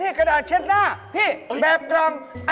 กระดาษเช็ดหน้าพี่แบบกล่อง